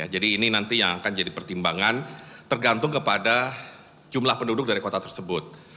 jadi ini nanti yang akan jadi pertimbangan tergantung kepada jumlah penduduk dari kota tersebut